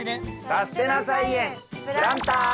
「さすてな菜園プランター」！